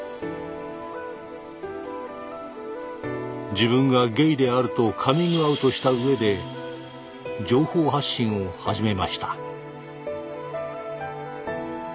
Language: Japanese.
自分がゲイであるとカミングアウトしたうえで情報発信を始めました。